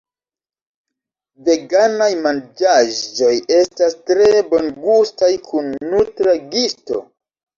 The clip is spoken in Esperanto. Veganaj manĝaĵoj estas tre bongustaj kun nutra gisto.